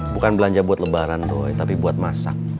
bukan belanja buat lebaran tuh tapi buat masak